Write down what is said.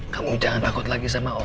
kamu jangan takut lagi sama orang